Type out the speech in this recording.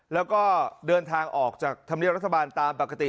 แล้วก็เดินทางออกจากธรรมเนียบรัฐบาลตามปกติ